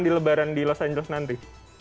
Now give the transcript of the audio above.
di lebaran di los angeles nanti